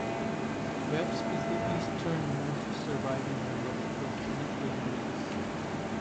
Veps is the easternmost surviving member of the Finnic languages.